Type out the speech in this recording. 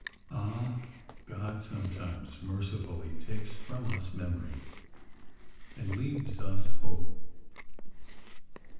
Ah ! God sometimes mercifully takes from us memory and leaves us hope!